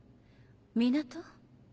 港？